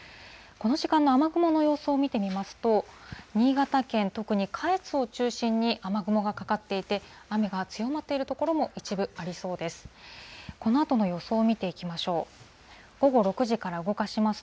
この時間の雨雲の様子を見てみますと、新潟県、特に下越を中心に雨雲がかかっていて、雨が強まっている所も一部ありそうです。